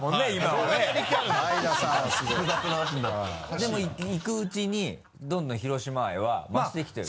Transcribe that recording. でも行くうちにどんどん広島愛は増してきてる？